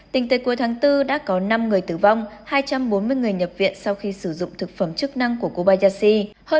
tính tới cuối tháng bốn đã có năm người tử vong hai trăm bốn mươi người nhập viện sau khi sử dụng thực phẩm chức năng của kobayashi